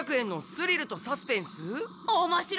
スリルとサスペンス。